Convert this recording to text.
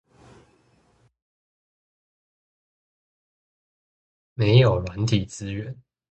沒有軟體支援